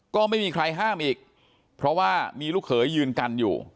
ก็ไม่มีใครห้ามอีกเพราะว่ามีลูกเขยยืนกันอยู่